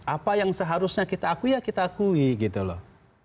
apa yang seharusnya kita akui ya kita akui gitu loh